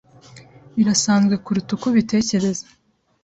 Birasanzwe kuruta uko ubitekereza.